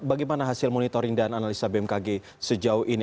bagaimana hasil monitoring dan analisa bmkg sejauh ini